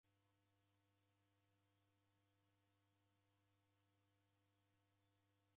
W'adederie w'uing'oni ghwaw'o mando aw'i.